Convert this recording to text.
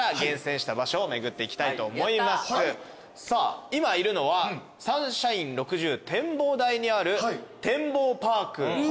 さあ今いるのはサンシャイン６０展望台にあるてんぼうパーク。